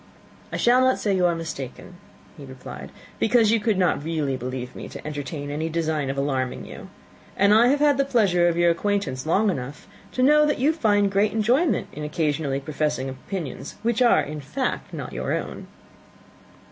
"I shall not say that you are mistaken," he replied, "because you could not really believe me to entertain any design of alarming you; and I have had the pleasure of your acquaintance long enough to know, that you find great enjoyment in occasionally professing opinions which, in fact, are not your own."